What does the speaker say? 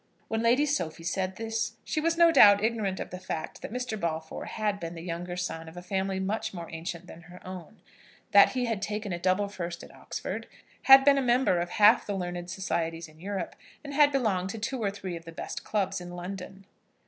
When Lady Sophie said this she was, no doubt, ignorant of the fact that Mr. Balfour had been the younger son of a family much more ancient than her own, that he had taken a double first at Oxford, had been a member of half the learned societies in Europe, and had belonged to two or three of the best clubs in London.